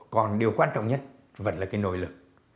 còn điều quan trọng nhất vẫn là cái nội lực